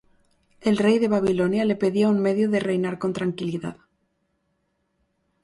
El rey de Babilonia le pedía un medio de reinar con tranquilidad.